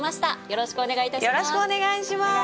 よろしくお願いします。